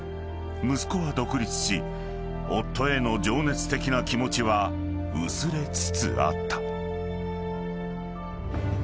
［息子は独立し夫への情熱的な気持ちは薄れつつあった］